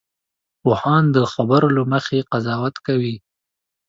پوهان د خبرو له مخې قضاوت کوي